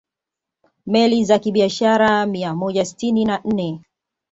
Meli za kibiashara mia moja sitini na nne